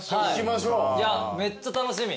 いやめっちゃ楽しみ。